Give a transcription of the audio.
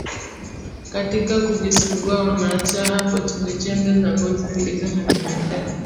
katika kujisugua wanaacha hapo chembechembe za ngozi zilizo na vimelea